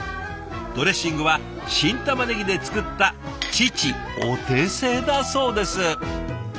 ドレッシングは新たまねぎで作った「父お手製」だそうです。